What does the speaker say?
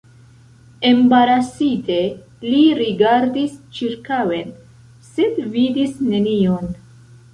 Embarasite, li rigardis ĉirkaŭen, sed vidis nenion.